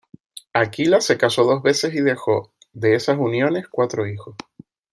Aquila se casó dos veces y dejó, de esas uniones, cuatro hijos.